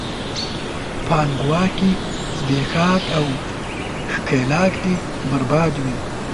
پانګواکي، زبېښاک او ښکېلاک دې برباد وي!